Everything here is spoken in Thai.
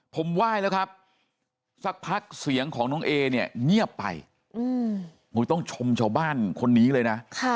ผมไหว้แล้วครับสักพักเสียงของน้องเอเนี่ยเงียบไปต้องชมชาวบ้านคนนี้เลยนะ